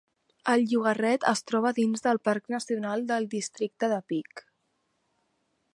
El llogarret es troba dins del Parc nacional del districte de Peak.